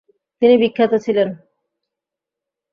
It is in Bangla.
তিনি বিখ্যাত ছিলেন ।